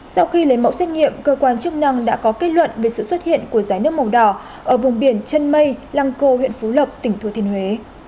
sau khi lấy mẫu xét nghiệm cơ quan chức năng đã có kết luận về sự xuất hiện của giá nước màu đỏ ở vùng biển chân mây lăng cô huyện phú lộc tỉnh thừa thiên huế